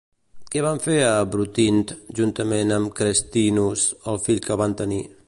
Què van fer a Brutint juntament amb Cestrinus, el fill que van tenir?